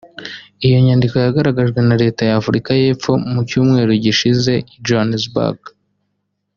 iyo nyandiko yagaragajwe na leta ya Afurika y’epfo mu cyumweru gishize I Johanesburg